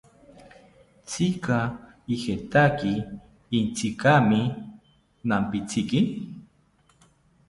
¿Tzika ijekaki itzinkami nampitziki?